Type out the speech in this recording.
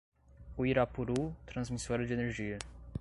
Uirapuru Transmissora de Energia